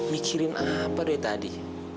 mikirin apa dari tadi